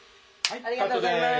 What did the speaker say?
ありがとうございます。